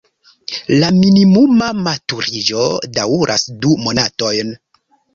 La minimuma maturiĝo daŭras du monatojn.